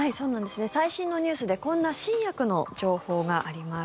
最新のニュースでこんな新薬の情報があります。